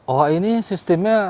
oha ini sistemnya